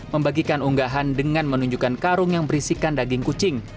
membagikan unggahan dengan menunjukkan karung yang berisikan daging kucing